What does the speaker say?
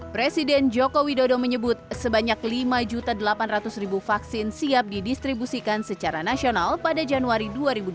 presiden joko widodo menyebut sebanyak lima delapan ratus vaksin siap didistribusikan secara nasional pada januari dua ribu dua puluh